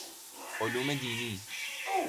علوم دینی